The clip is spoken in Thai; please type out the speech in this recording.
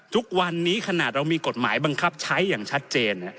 ทุกวันนี้ขนาดเรามีกฎหมายบังคับใช้อย่างชัดเจน